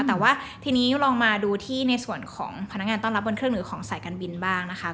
แต่ว่าทีนี้ลองมาดูที่ในส่วนของพนักงานต้อนรับบนเครื่องหรือของสายการบินบ้างนะคะ